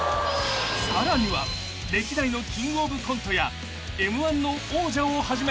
［さらには歴代のキングオブコントやＭ−１の王者をはじめ］